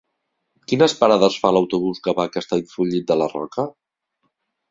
Quines parades fa l'autobús que va a Castellfollit de la Roca?